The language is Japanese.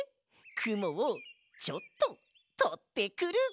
くもをちょっととってくる！